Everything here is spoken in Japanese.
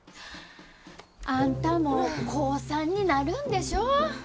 あんたもう高３になるんでしょ？